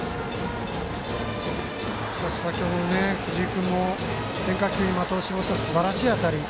先ほど藤井君も変化球、的を絞ったすばらしい当たり。